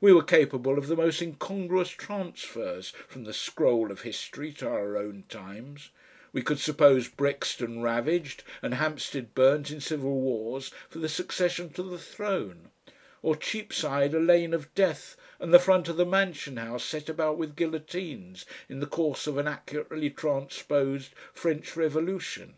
We were capable of the most incongruous transfers from the scroll of history to our own times, we could suppose Brixton ravaged and Hampstead burnt in civil wars for the succession to the throne, or Cheapside a lane of death and the front of the Mansion House set about with guillotines in the course of an accurately transposed French Revolution.